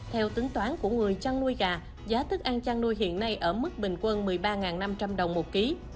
theo tính toán của người trang nuôi gia giá thức ăn trang nuôi hiện nay ở mức bình quân một mươi ba năm trăm linh đồng một ký